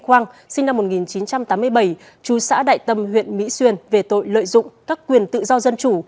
hoàng sinh năm một nghìn chín trăm tám mươi bảy chú xã đại tâm huyện mỹ xuyên về tội lợi dụng các quyền tự do dân chủ